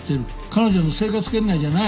彼女の生活圏内じゃない。